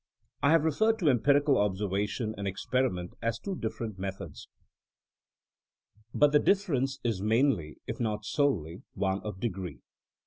I have referred to empirical observation and ex periment as two different methods. But the difference is mainly, if not solely, one of degree.